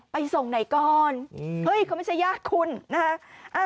ไปส่งไหนก่อนเฮ้ยเขาไม่ใช่ญาติคุณนะฮะ